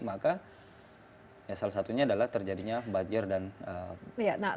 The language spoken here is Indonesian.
maka salah satunya adalah terjadinya bajer dan buruknya tata ruang